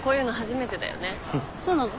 そうなの？